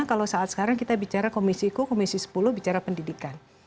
karena kalau saat sekarang kita bicara komisiku komisi sepuluh bicara pendidikan